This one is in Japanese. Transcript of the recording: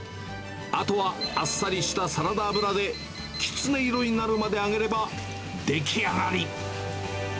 あとはあっさりしたサラダ油で、きつね色になるまで揚げれば出来上がり。